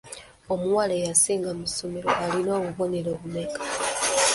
Omuwala eyasinga mu ssomero alina obubonero bumeka?